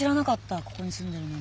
ここに住んでるなんて。